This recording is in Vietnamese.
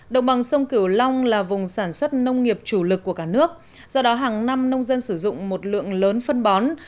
đồng bằng sông cửu long là vùng sản xuất nông nghiệp chủ lực của cả nước do đó hàng năm nông dân sử dụng một lượng lớn phân bón